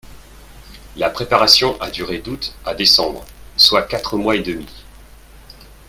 La préparation a durée d'Août à Décembre, soit quatre mois et demi